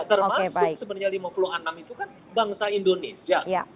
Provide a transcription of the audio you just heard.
termasuk sebenarnya lima puluh enam itu kan bangsa indonesia